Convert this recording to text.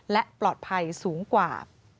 และปลอดภัยสูงกว่า